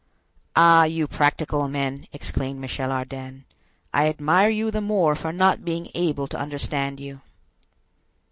"Ah, you practical men!" exclaimed Michel Ardan; "I admire you the more for not being able to understand you."